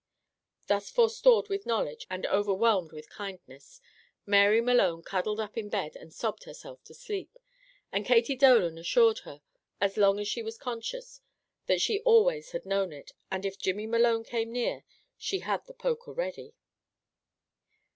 Thus forestalled with knowledge, and overwhelmed with kindness, Mary Malone cuddled up in bed and sobbed herself to sleep, and Katy Dolan assured her, as long as she was conscious, that she always had known it, and if Jimmy Malone came near, she had the poker ready.